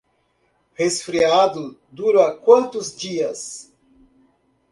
Resfriado dura quantos dias?